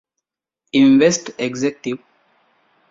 އިވެންޓްސް އެގްޒެކެޓިވް